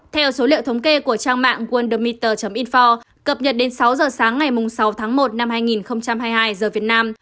theo số liệu thống kê của trang mạng worldmmital info cập nhật đến sáu giờ sáng ngày sáu tháng một năm hai nghìn hai mươi hai giờ việt nam